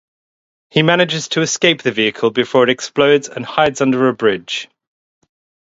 He manages to escape the vehicle before it explodes and hides under a bridge.